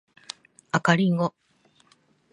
赤リンゴ